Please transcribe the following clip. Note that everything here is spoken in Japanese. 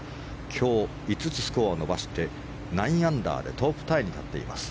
今日、５つスコアを伸ばして９アンダーでトップタイとなっています。